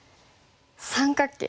三角形。